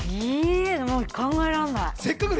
もう考えられない。